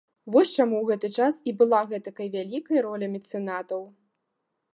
Вось чаму ў гэты час і была гэтакай вялікай роля мецэнатаў.